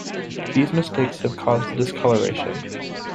These mistakes have caused discolouration.